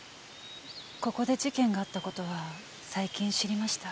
ここで事件があった事は最近知りました。